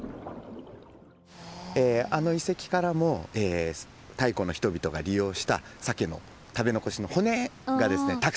あの遺跡からも太古の人々が利用したサケの食べ残しの骨がですね